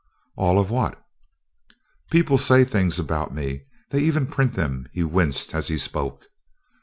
"All of what?" "People say things about me. They even print them." He winced as he spoke.